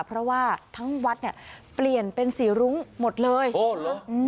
เพราะว่าทั้งวัดเนี่ยเปลี่ยนเป็นสีรุ้งหมดเลยโอ้เหรออืม